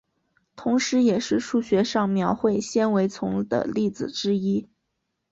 同时也是数学上描绘纤维丛的例子之一。